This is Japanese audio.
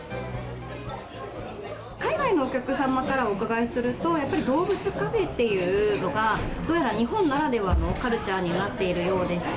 海外のお客様からお伺いすると、やっぱり動物カフェっていうのが、どうやら日本ならではのカルチャーになっているようでして、